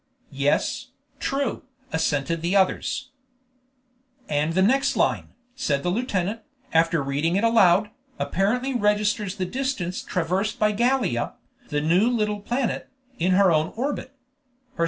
"Yes, true," assented the others. "And the next line," said the lieutenant, after reading it aloud, "apparently registers the distance traversed by Gallia, the new little planet, in her own orbit.